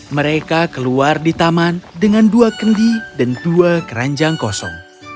mereka keluar di taman dengan dua kendi dan dua keranjang kosong